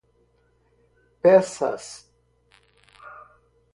peças